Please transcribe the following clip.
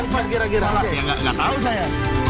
gak tau saya